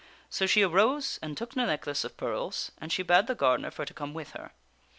So she arose and took the necklace of pearls, and she bade the gardener for to come with her.